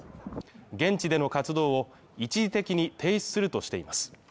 現地での活動を一時的に停止するとしています。